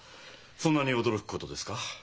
そんなに驚くことですか？